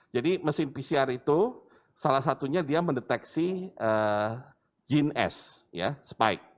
jadi mesin pcr itu salah satunya dia mendeteksi jin s spike